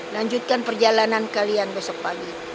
lanjutkan perjalanan kalian besok pagi